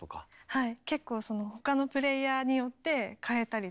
はい。